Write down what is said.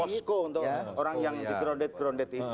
mosko untuk orang yang di grondet grondet itu